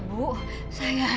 kau gus jual apa